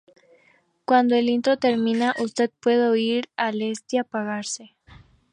Cuando el intro termina, usted puede oír el Leslie apagarse!